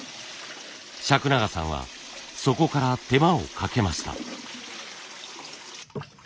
釋永さんはそこから手間をかけました。